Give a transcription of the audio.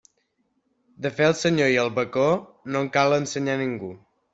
De fer el senyor i el bacó, no en cal ensenyar ningú.